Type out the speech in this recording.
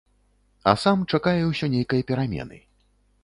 А сам чакае ўсё нейкай перамены.